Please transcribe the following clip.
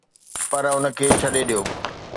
پر ان کي ڇڏي ڏيو.